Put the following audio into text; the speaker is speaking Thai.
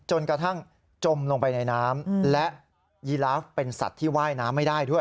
จนกระทั่งจมลงไปในน้ำและยีลาฟเป็นสัตว์ที่ว่ายน้ำไม่ได้ด้วย